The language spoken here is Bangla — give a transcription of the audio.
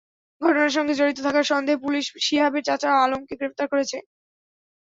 ঘটনার সঙ্গে জড়িত থাকার সন্দেহে পুলিশ সিহাবের চাচা আলমকে গ্রেপ্তার করেছে।